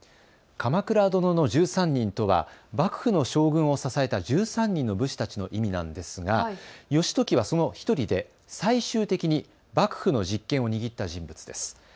鎌倉殿の１３人とは幕府の将軍を支えた１３人の武士たちの意味なんですが義時はその１人で最終的に幕府の実権を握った人物です。